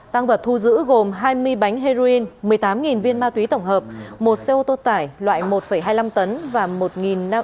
tăng vật thu giữ gồm hai mươi bánh heroin một mươi tám viên ma túy tổng hợp một xe ô tô tải loại một hai mươi năm tấn